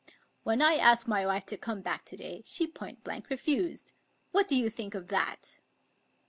" When I asked my wife to come back to day, she point blank refused. What do you think of that